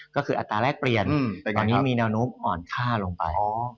ก็คืออัตราแรกเปลี่ยนแต่ตอนนี้มีแนวโน้มอ่อนค่าลงไป